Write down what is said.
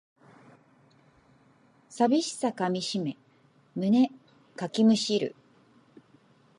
寂しさかみしめ胸かきむしる